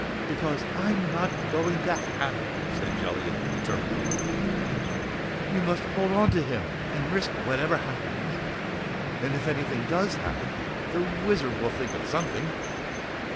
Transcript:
"Because I'm not going to have it!" said Jellia determinedly. "You must hold on to him and risk whatever happens! And if anything does happen, the Wizard will think of something!"